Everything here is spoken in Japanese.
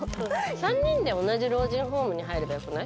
３人で同じ老人ホームに入ればよくない？